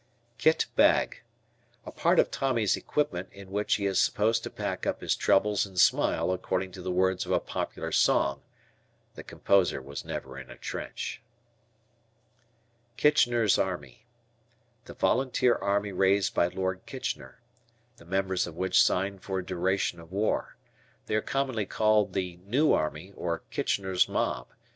Kit Bag. A part of Tommy's equipment in which he is supposed to pack up his troubles and smile, according to the words of a popular song (the composer was never in a trench). Kitchener's Army. The volunteer army raised by Lord Kitchener, the members of which signed for duration of war. They are commonly called the "New Army" or "Kitchener's Mob."